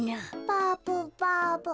バブバブ。